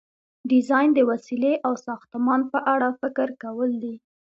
ډیزاین د وسیلې او ساختمان په اړه فکر کول دي.